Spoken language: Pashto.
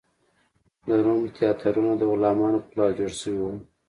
د روم تیاترونه د غلامانو په لاس جوړ شوي و.